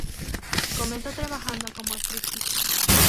Comenzó trabajando como striptease.